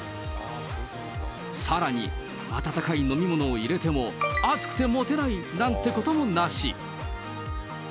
さらに、温かい飲み物を入れても熱くて持てないなんてこともなし。